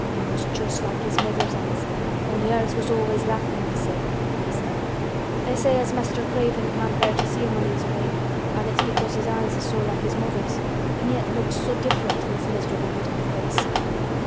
"Them's just like his mother's eyes, only hers was always laughin', they say," he said. "They say as Mr. Craven can't bear to see him when he's awake an' it's because his eyes is so like his mother's an' yet looks so different in his miserable bit of a face."